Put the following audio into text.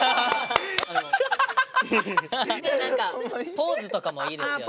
で何かポーズとかもいいですよね。